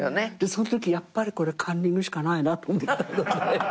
そのときやっぱりこれカンニングしかないなって。